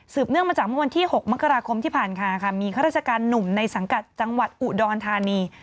เนื่องมาจากเมื่อวันที่๖มกราคมที่ผ่านมาค่ะมีข้าราชการหนุ่มในสังกัดจังหวัดอุดรธานี